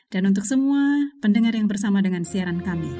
dan untuk semua pendengar yang bersama dengan siaran kami